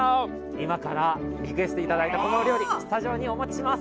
今からリクエスト頂いたこのお料理スタジオにお持ちします。